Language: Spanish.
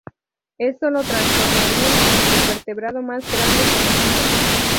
Esto lo transformaría en el invertebrado más grande conocido.